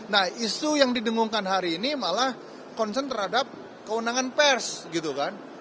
nah isu yang didengungkan hari ini malah concern terhadap kewenangan pers gitu kan